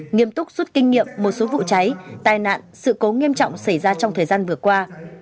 nghiêm túc rút kinh nghiệm một số vụ cháy tai nạn sự cố nghiêm trọng xảy ra trong thời gian vừa qua